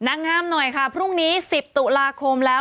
นางงามหน่อยค่ะพรุ่งนี้๑๐ตุลาคมแล้ว